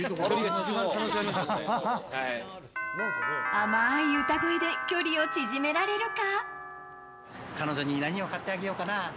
甘い歌声で距離を縮められるか？